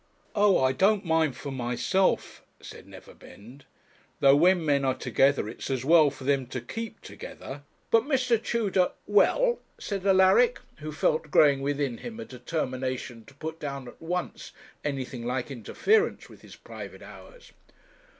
'Oh! I don't mind for myself,' said Neverbend, 'though, when men are together, it's as well for them to keep together. But, Mr. Tudor ' 'Well?' said Alaric, who felt growing within him a determination to put down at once anything like interference with his private hours.